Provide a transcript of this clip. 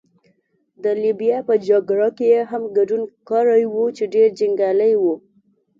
د لیبیا په جګړه کې يې هم ګډون کړی وو، چې ډېر جنګیالی وو.